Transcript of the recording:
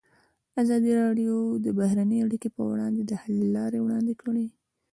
ازادي راډیو د بهرنۍ اړیکې پر وړاندې د حل لارې وړاندې کړي.